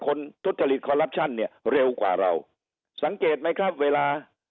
ทุจริตคอลลับชั่นเนี่ยเร็วกว่าเราสังเกตไหมครับเวลา